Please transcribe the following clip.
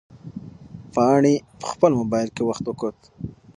پاڼې په خپل موبایل کې وخت وکوت.